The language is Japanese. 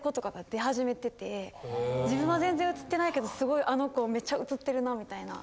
自分は全然映ってないけどすごいあの子めっちゃ映ってるなみたいな。